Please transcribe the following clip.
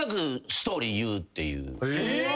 え！？